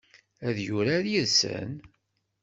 Ad yurar yid-sen?